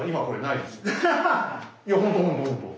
いやほんとほんとほんと。